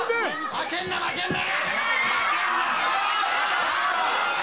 ・負けんな負けんな！